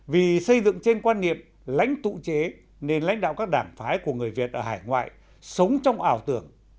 vì xây dựng trên quan niệm lãnh tụ chế nên lãnh đạo các đảng phái của người việt ở hải ngoại sống trong ảo tưởng